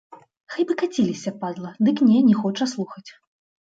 Хай бы каціліся, падла, дык не, не хоча слухаць.